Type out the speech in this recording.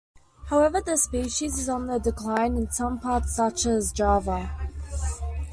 However the species is on the decline in some parts such as Java.